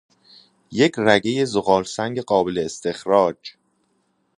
یک رگهی زغالسنگ قابل استخراج